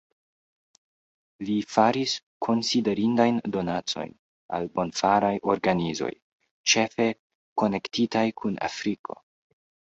Li faris konsiderindajn donacojn al bonfaraj organizoj, ĉefe konektitaj kun Afriko.